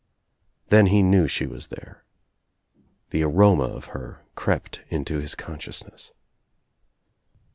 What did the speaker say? Then he knew she was there. The aroma of her crept into his consciousness.